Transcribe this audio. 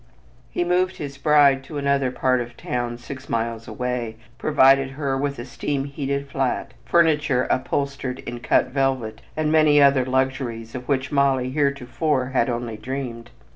He moved his bride to another part of town six miles away, provided her with a "steam heated flat," furniture upholstered in "cut velvet," and many other luxuries of which Molly heretofore had only dreamed.